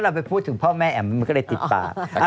ไปพูดถึงพ่อแม่แอ๋มมันก็เลยติดปาก